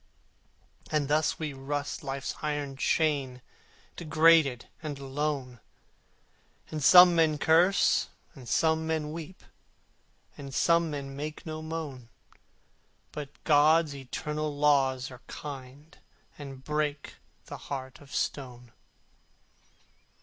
And thus we rust Life's iron chain Degraded and alone: And some men curse, and some men weep, And some men make no moan: But God's eternal Laws are kind And break the heart of stone.